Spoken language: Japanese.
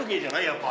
やっぱ。